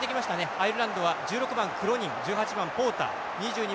アイルランドは１６番クロニン１８番ポーター２２